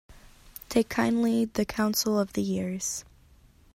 Take kindly the counsel of the years